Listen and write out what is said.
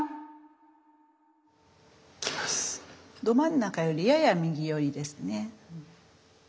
ど真ん中よりやや右よりですね。